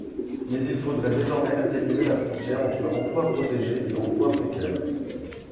Mais il faudrait désormais atténuer la frontière entre emplois protégés et emplois précaires.